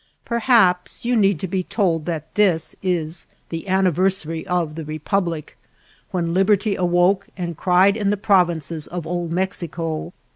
Perhaps you need to be told that this is the anniversary of the Republic, when liberty awoke and cried in the provinces of Old Mexico.